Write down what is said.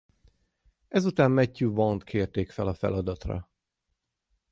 Ezután Matthew Vaughn-t kérték fel a feladatra.